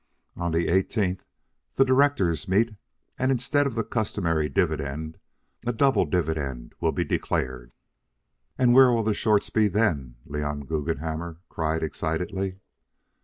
On the eighteenth the directors meet, and, instead of the customary dividend, a double dividend will be declared." "And where will the shorts be then?" Leon Guggenhammer cried excitedly.